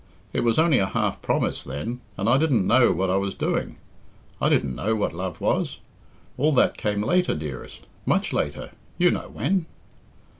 It was only a half promise then, and I didn't know what I was doing. I didn't know what love was. All that came later, dearest, much later you know when."